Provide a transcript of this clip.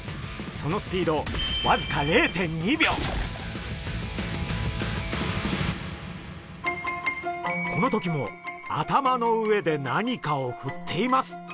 そのスピードわずかこの時も頭の上で何かをふっています。